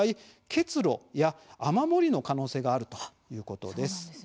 結露や雨漏りの可能性があるということです。